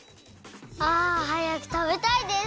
あはやくたべたいです！